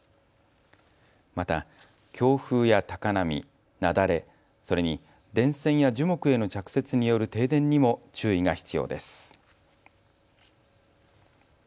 また、強風や高波、雪崩、それに電線や樹木への着雪による停電にも注意が必要です。